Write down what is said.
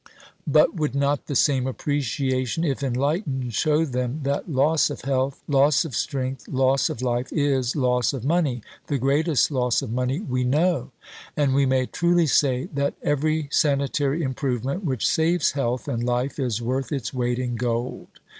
But would not the same appreciation, if enlightened, show them that loss of health, loss of strength, loss of life, is loss of money, the greatest loss of money we know? And we may truly say that every sanitary improvement which saves health and life is worth its weight in gold."